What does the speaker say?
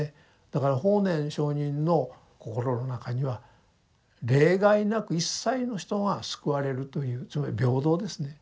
だから法然上人の心の中には例外なく一切の人が救われるというつまり平等ですね。